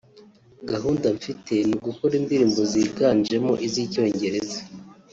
Gahunda mfite ni ugukora indirimbo ziganjemo iz’Icyongereza